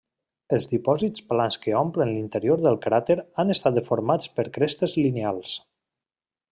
Els dipòsits plans que omplen l'interior del cràter han estat deformats per crestes lineals.